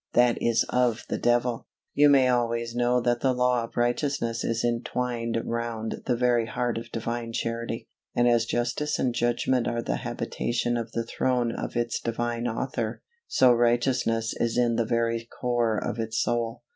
that is of the devil! You may always know that the law of righteousness is entwined round the very heart of Divine Charity, and as justice and judgment are the habitation of the throne of its Divine Author, so righteousness is in the very core of its soul.